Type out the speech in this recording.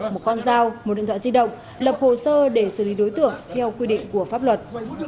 một con dao một điện thoại di động lập hồ sơ để xử lý đối tượng theo quy định của pháp luật